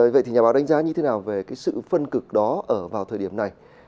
vậy thì nhà báo đánh giá như thế nào về cái sự phân cực đó vào thời điểm này